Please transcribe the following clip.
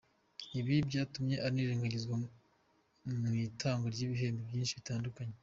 Ibi byatumye anirengagizwa mu itangwa ry’ibihembo byinshi bitandukanye.